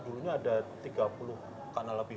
dulunya ada tiga puluh kanal lebih